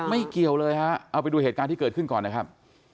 เกี่ยวเลยฮะเอาไปดูเหตุการณ์ที่เกิดขึ้นก่อนนะครับ